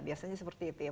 misalnya seperti itu ya